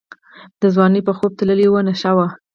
د ځوانۍ په خوب کي تللې وه نشه وه